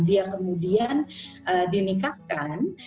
dia kemudian dinikahkan